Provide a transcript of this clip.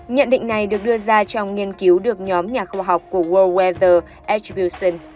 nhận định này được đưa ra trong nghiên cứu được nhóm nhà khoa học của world weather attribution